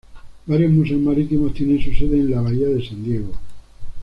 Varios museos marítimos tienen su sede en la bahía de San Diego.